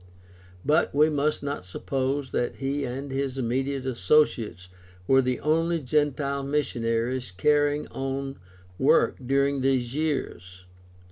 But we must not suppose that he and his immediate associates were the only gentile missionaries carrying on work during these years.